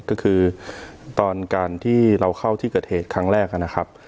ก็คือตอนการที่เราเข้าที่เกิดเหตุครั้งแรกนะครับ